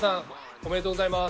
おめでとうございます。